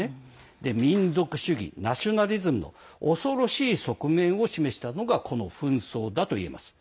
民族主義、ナショナリズムの恐ろしい側面を示したのがこの紛争だといえます。